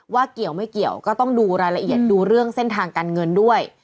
เกี่ยวไม่เกี่ยวก็ต้องดูรายละเอียดดูเรื่องเส้นทางการเงินด้วย